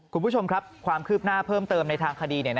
คุณผู้ชมครับความคืบหน้าเพิ่มเติมในทางคดี